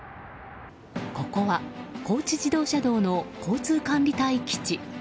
ここは高知自動車道の交通管理隊基地。